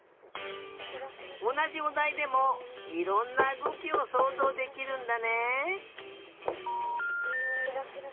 おなじおだいでもいろんなうごきをそうぞうできるんだね。